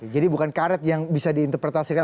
jadi bukan karet yang bisa diinterpretasikan